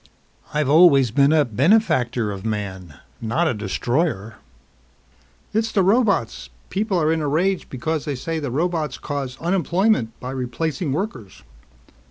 I've always been a benefactor of man, not a destroyer." "It's the robots. People are in a rage because they say the robots cause unemployment by replacing workers."